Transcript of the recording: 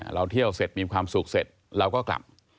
เราเที่ยวเสร็จมีความสุขเสร็จเราก็กลับ